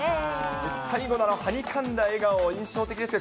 最後のあのはにかんだ笑顔、印象的です。